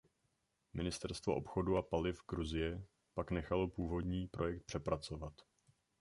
Ministerstvo obchodu a paliv Gruzie pak nechalo původní projekt přepracovat.